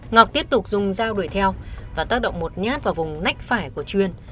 ngọc tiếp tục dùng dao đuổi theo và tác động một nhát vào vùng nách phải của chuyên